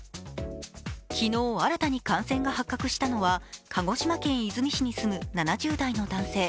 昨日、新たに感染が発覚したのは、鹿児島県出水市に住む７０代の男性。